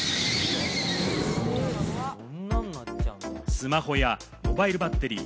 スマホやモバイルバッテリー、